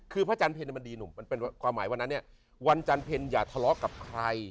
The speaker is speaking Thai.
คือพระอาจารย์เพลมันดีหนุ่มมันเป็นความหมายวันนั้นเนี่ยวันจันเพ็ญอย่าทะเลาะกับใคร